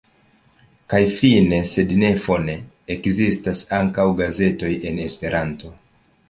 Kaj fine sed ne fone: ekzistas ankaŭ gazetoj en Esperanto.